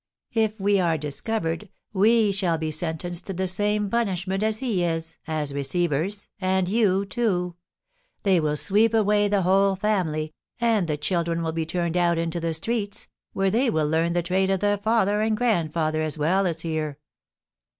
If we are discovered, we shall be sentenced to the same punishment as he is, as receivers, and you too. They will sweep away the whole family, and the children will be turned out into the streets, where they will learn the trade of their father and grandfather as well as here."